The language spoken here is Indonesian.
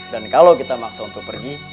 dan kalau kita maksa untuk pergi